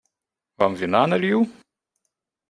Вам вина налью?